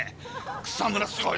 草村すごい。